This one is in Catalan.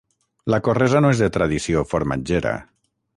La Corresa no és de tradició formatgera.